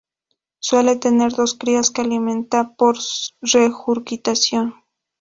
Suele tener dos crías que alimenta por regurgitación.